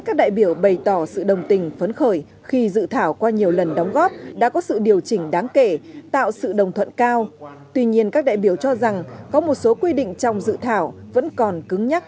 các đơn vị chuyên nghiệp toàn quốc tham gia còn nhiều hơn bộ công an